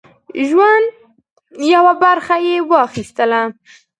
ژوند یوه برخه یې واخیستله.